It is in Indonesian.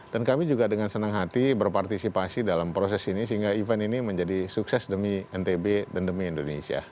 dan kami juga dengan senang hati berpartisipasi dalam proses ini sehingga event ini menjadi sukses demi mtb dan demi indonesia